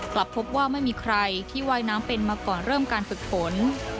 กลับพบว่าไม่มีใครที่ว่ายน้ำเป็นมาก่อนเริ่มการฝึกฝน